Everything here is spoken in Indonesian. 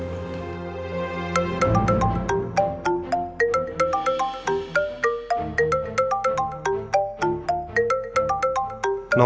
ah masa diangkat dulu